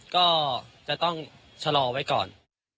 ก็จะต้องชะลอไว้ก่อน